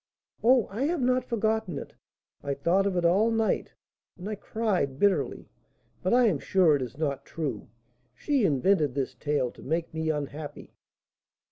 "Oh! I have not forgotten it; I thought of it all night, and I cried bitterly; but I am sure it is not true; she invented this tale to make me unhappy."